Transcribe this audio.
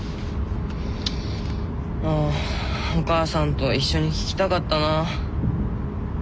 ああお母さんと一緒に聴きたかったなあ。